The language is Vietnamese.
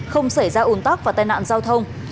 không xảy ra ồn tắc và tai nạn giao thông